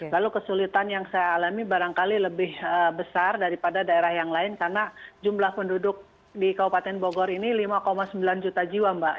lalu kesulitan yang saya alami barangkali lebih besar daripada daerah yang lain karena jumlah penduduk di kabupaten bogor ini lima sembilan juta jiwa mbak